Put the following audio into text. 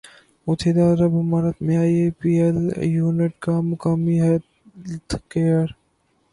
متحدہ عرب امارات میں آئی پی ایل ایونٹ کا مقامی ہیلتھ کیئر